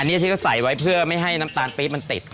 อันนี้ที่เขาใส่ไว้เพื่อไม่ให้น้ำตาลปี๊บมันติด